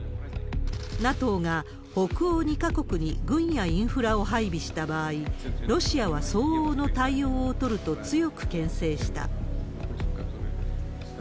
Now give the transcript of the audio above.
ＮＡＴＯが北欧２か国に軍やインフラを配備した場合、ロシアは相応の対応を取ると強くけん制した。